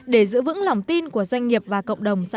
để giữ vững lòng tin của doanh nghiệp và cộng đồng xã hội